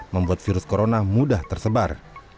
membuat virus corona mudah tersebar